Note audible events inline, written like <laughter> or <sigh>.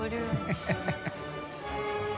ハハハ <laughs>